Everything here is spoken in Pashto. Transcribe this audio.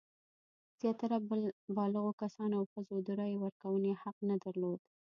زیاتره بالغو کسانو او ښځو د رایې ورکونې حق نه درلود.